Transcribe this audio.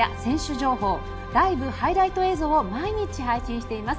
情報ライブ・ハイライト映像を毎日配信しています。